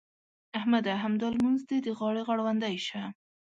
احمده! همدا لمونځ دې د غاړې غړوندی شه.